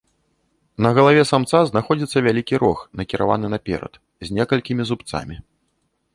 На галаве самца знаходзіцца вялікі рог, накіраваны наперад, з некалькімі зубцамі.